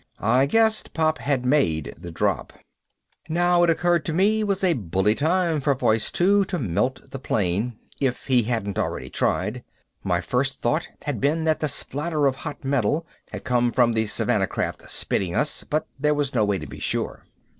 I guessed Pop had made the drop. Now, it occurred to me, was a bully time for Voice Two to melt the plane if he hadn't already tried. My first thought had been that the spatter of hot metal had come from the Savannah craft spitting us, but there was no way to be sure.